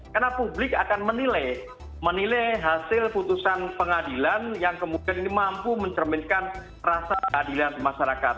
karena publik akan menilai hasil putusan pengadilan yang kemudian mampu mencerminkan rasa keadilan masyarakat